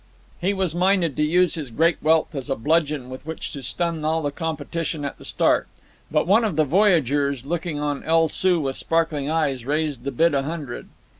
He was minded to use his great wealth as a bludgeon with which to stun all competition at the start. But one of the voyageurs, looking on El Soo with sparkling eyes, raised the bid a hundred.